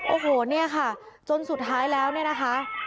โอ้โหเนี่ยค่ะจนสุดท้ายแล้วเนี่ยนะคะ